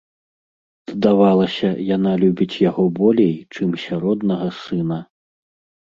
Здавалася, яна любіць яго болей, чымся роднага сына.